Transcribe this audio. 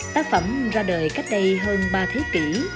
tác phẩm ra đời cách đây hơn ba thế kỷ